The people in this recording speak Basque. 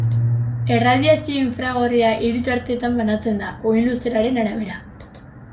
Erradiazio infragorria hiru tartetan banatzen da, uhin-luzeraren arabera.